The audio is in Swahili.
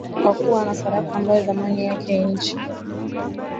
kwa kuwa na sarafu ambayo dhamani yake ya chini